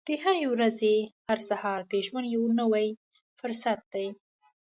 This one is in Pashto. د هرې ورځې هر سهار د ژوند یو نوی فرصت دی.